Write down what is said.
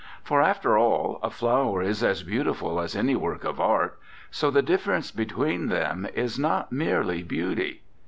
For after all a flower is as beau tiful as any work of art, so the difference between them is not merely beauty.